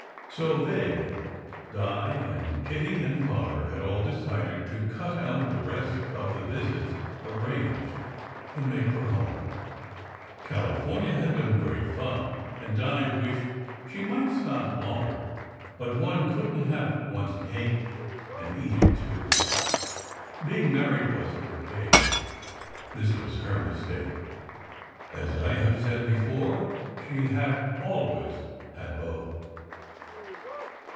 So they Di and Kitty and Father had all decided to cut out the rest of the visits arranged and "make for home." California had been great fun, and Di wished she might stop longer, but one couldn t have one s cake and eat it, too. Being SECRET HISTORY 159 married was her cake. This was her mistake. As I have said before, she had always had both.